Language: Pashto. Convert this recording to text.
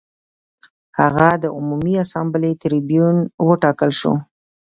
هغه د عمومي اسامبلې ټربیون وټاکل شو